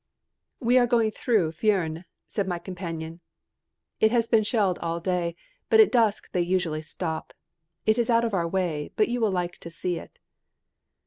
"We are going through Furnes," said my companion. "It has been shelled all day, but at dusk they usually stop. It is out of our way, but you will like to see it."